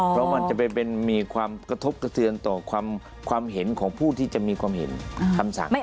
เพราะมันจะไปมีความกระทบกระเทือนต่อความเห็นของผู้ที่จะมีความเห็นคำสั่ง